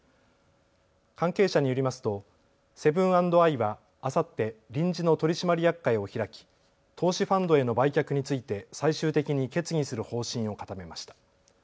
関係者によりますとセブン＆アイはあさって臨時の取締役会を開き投資ファンドへの売却について最終的に決議する方針を固めました。